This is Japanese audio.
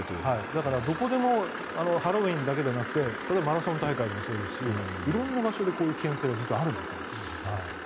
だから、どこでもハロウィーンだけじゃなくて例えばマラソン大会でも色んな場所でこういう危険性があるんです。